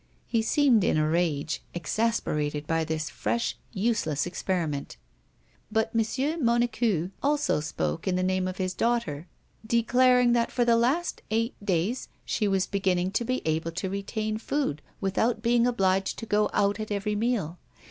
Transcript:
He seemed in a rage, exasperated by this fresh, useless experiment. But M. Monecu also spoke in the name of his daughter, declaring that for the last eight days she was beginning to be able to retain food without being obliged to go out at every meal.